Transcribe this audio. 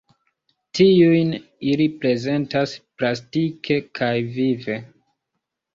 Tiujn ili prezentas plastike kaj vive.